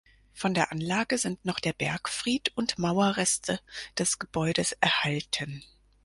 Von der Anlage sind noch der Bergfried und Mauerreste des Gebäudes erhalten.